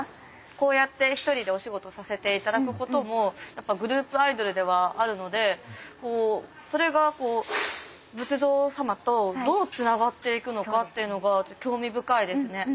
こうやって１人でお仕事させて頂くこともやっぱグループアイドルではあるのでそれがこう仏像様とどうつながっていくのかっていうのが興味深いですね。